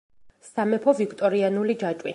სამეფო ვიქტორიანული ჯაჭვი.